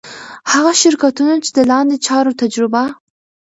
هغه شرکتونه چي د لاندي چارو تجربه